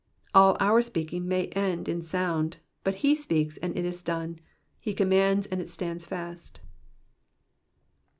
All our speaking may yet end in sound ; but he speaks, and it is done ; he commands, and, it stands fast.